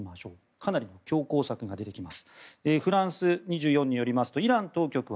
かなりの強硬策が出てきます。